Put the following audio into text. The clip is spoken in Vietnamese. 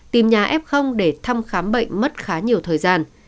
tìm nhà f để thăm khám bệnh mất khóa